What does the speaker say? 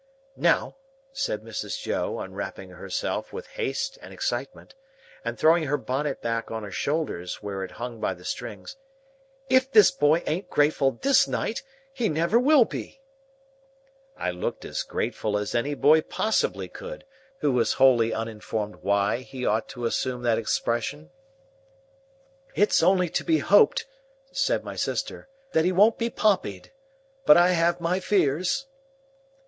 "Now," said Mrs. Joe, unwrapping herself with haste and excitement, and throwing her bonnet back on her shoulders where it hung by the strings, "if this boy ain't grateful this night, he never will be!" I looked as grateful as any boy possibly could, who was wholly uninformed why he ought to assume that expression. "It's only to be hoped," said my sister, "that he won't be Pompeyed. But I have my fears."